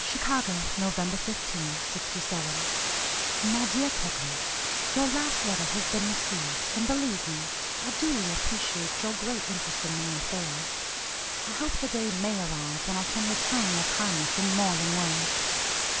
"CHICAGO, Nov. 15, '67. "MY DEAR KECKLEY; Your last letter has been received, and believe me, I duly appreciate your great interest in my affairs. I hope the day may arrive when I can return your kindness in more than words.